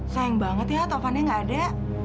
sayang banget ya tovannya nggak ada